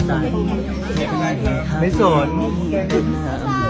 ไม่ทำมีเป็นห้าม